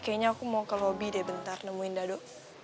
kayaknya aku mau ke hobi deh bentar nemuin dado